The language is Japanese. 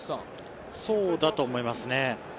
そうだと思いますね。